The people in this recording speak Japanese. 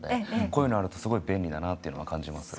こういうのあるとすごい便利だなというのは感じます。